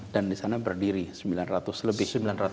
dan di sana berdiri sembilan ratus lebih